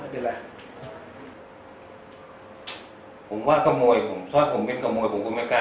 ผมว่ากระโมยถ้าผมวิ่งกระโมยผมก็ไม่กล้า